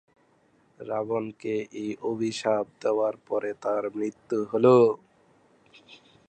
রাবণকে এই অভিশাপ দেওয়ার পরেই তাঁর মৃত্যু হলো।